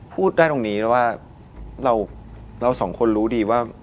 พูดได้ตรงนี้แล้วว่าเราสองคนรู้ดีว่า